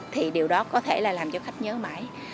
thì điều đó có thể là làm cho khách nhớ mãi